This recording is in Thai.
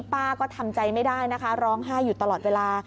ป้าก็ทำใจไม่ได้นะคะร้องไห้อยู่ตลอดเวลา